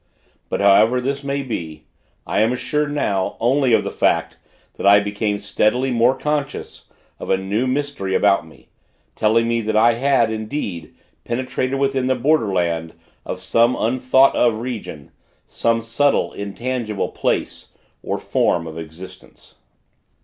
But, however this may be, I am assured now, only of the fact that I became steadily more conscious of a new mystery about me, telling me that I had, indeed, penetrated within the borderland of some unthought of region some subtle, intangible place, or form, of existence.